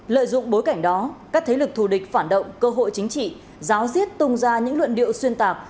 lợi dụng bối cảnh đó các thế lực thù địch phản động cơ hội chính trị giáo diết tung ra những luận điệu xuyên tạc